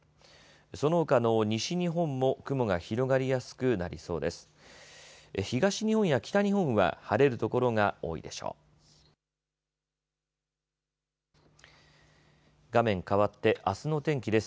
そのほかの西日本も雲が広がりやすくなりそうです。